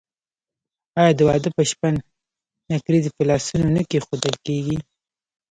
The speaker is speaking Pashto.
آیا د واده په شپه نکریزې په لاسونو نه کیښودل کیږي؟